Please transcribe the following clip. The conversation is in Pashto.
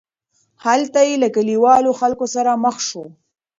هلته یې له کلیوالو خلکو سره مخ شو.